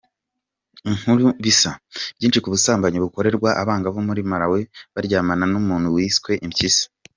Inkuru bisa: Byinshi ku busambanyi bukoreshwa abangavu muri Malawi, baryamana n’umuntu wiswe impyisi.